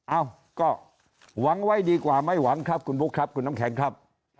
เอ้าก็หวังไว้ดีกว่าไม่หวังครับคุณบุ๊คครับคุณน้ำแข็งครับ